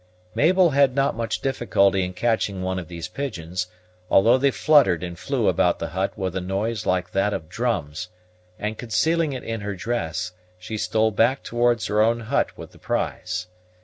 Mabel had not much difficulty in catching one of these pigeons, although they fluttered and flew about the hut with a noise like that of drums; and, concealing it in her dress, she stole back towards her own hut with the prize.